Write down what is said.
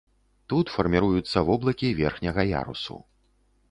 Тут фарміруюцца воблакі верхняга ярусу.